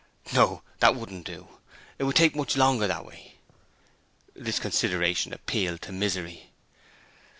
'No; that wouldn't do. It would take much longer that way.' This consideration appealed to Misery.